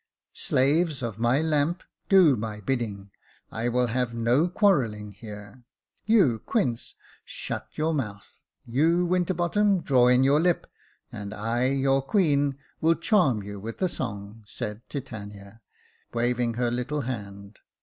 " Slaves of my lamp, do my bidding. I will have no quarrelling here. You, Quince, shut your mouth ; you, Winterbottom, draw in your lips and I, your queen, will charm you with a song," said Titania, waving her little hand.